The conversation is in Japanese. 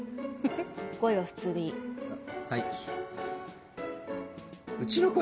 声は普通でいい